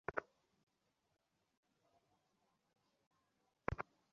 আমাকে চুমু দিয়েছে, এমএস।